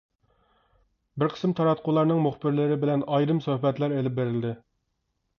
بىر قىسىم تاراتقۇلارنىڭ مۇخبىرلىرى بىلەن ئايرىم سۆھبەتلەر ئېلىپ بېرىلدى.